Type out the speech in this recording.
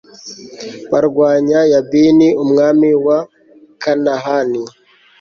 barwanya yabini, umwami wa kanahani